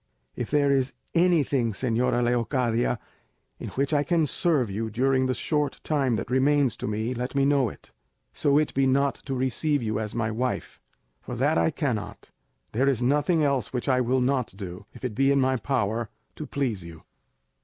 If there is anything, señora Leocadia, in which I can serve you during the short time that remains to me, let me know it; so it be not to receive you as my wife, for that I cannot, there is nothing else which I will not do, if it be in my power, to please you."